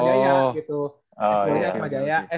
s dua nya di atmajaya